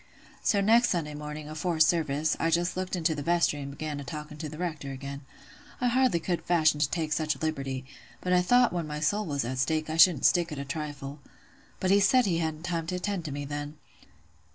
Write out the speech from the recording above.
So next Sunday morning, afore service, I just looked into the vestry, an' began a talking to th' Rector again. I hardly could fashion to take such a liberty, but I thought when my soul was at stake I shouldn't stick at a trifle. But he said he hadn't time to attend to me then.